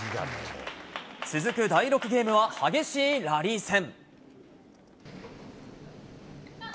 続く第６ゲームは激しいラリー戦。